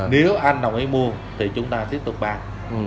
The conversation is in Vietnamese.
nếu anh đồng ý mua thì chúng ta tiếp tục bán